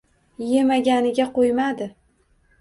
Yemaganiga qoʻymadi